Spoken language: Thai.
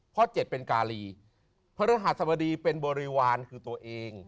เพราะ๗เป็นการีพระฤหัสบดีเป็นบริวารคือตัวเอง